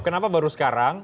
kenapa baru sekarang